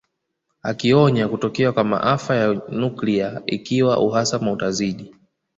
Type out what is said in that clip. Akionya kutokea kwa maafa ya nuklia ikiwa uhasama utazidi